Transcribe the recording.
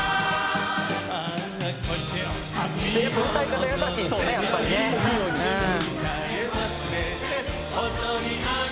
「歌い方優しいんですよねやっぱりね」